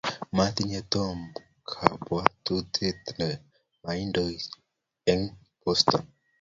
Matinyei Tom kabwotutie ne mang'doi eng' Botston